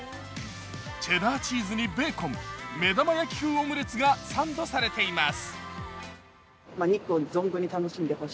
チェダーチーズにベーコン、目玉焼き風オムレツがサンドされています。